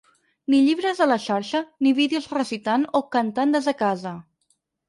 Ni llibres a la xarxa, ni vídeos recitant o cantant des de casa.